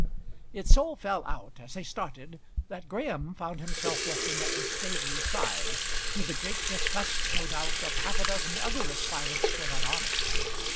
It so fell out, as they started, that Graham found himself walking at Miss Staveley's side, to the great disgust, no doubt, of half a dozen other aspirants for that honour.